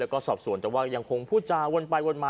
แล้วก็สอบส่วนแต่ว่ายังคงพูดจาวนไปวนมา